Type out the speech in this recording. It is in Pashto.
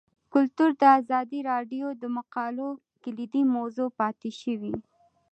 کلتور د ازادي راډیو د مقالو کلیدي موضوع پاتې شوی.